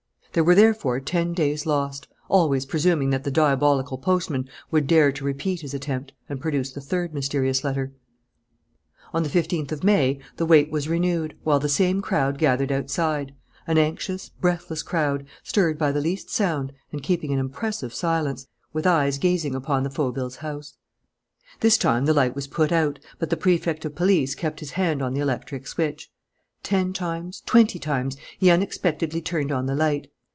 There were therefore ten days lost, always presuming that the diabolical postman would dare to repeat his attempt and produce the third mysterious letter. On the fifteenth of May the wait was renewed, while the same crowd gathered outside, an anxious, breathless crowd, stirred by the least sound and keeping an impressive silence, with eyes gazing upon the Fauvilles' house. This time the light was put out, but the Prefect of Police kept his hand on the electric switch. Ten times, twenty times, he unexpectedly turned on the light.